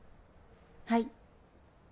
はい。